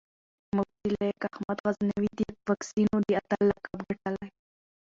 مفتي لائق احمد غزنوي د واکسينو د اتل لقب ګټلی